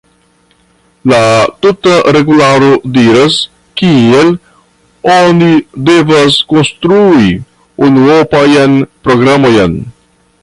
La tuta regularo diras, kiel oni devas konstrui unuopajn programojn.